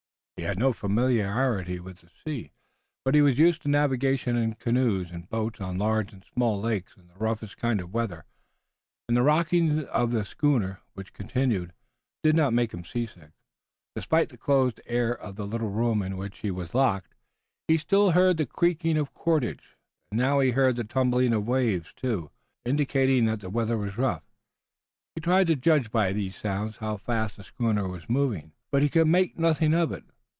He had no familiarity with the sea, but he was used to navigation in canoes and boats on large and small lakes in the roughest kind of weather, and the rocking of the schooner, which continued, did not make him seasick, despite the close foul air of the little room in which he was locked. He still heard the creaking of cordage and now he heard the tumbling of waves too, indicating that the weather was rough. He tried to judge by these sounds how fast the schooner was moving, but he could make nothing of it.